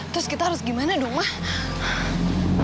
terus kita harus gimana dong mah